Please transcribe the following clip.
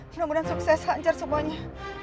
semoga sukses hancur semuanya